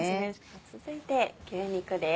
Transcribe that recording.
続いて牛肉です。